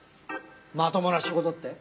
まともな仕事って？